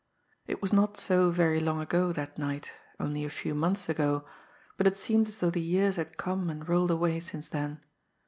It was not so very long ago that night, only a few months ago, but it seemed as though the years had come and rolled away since then.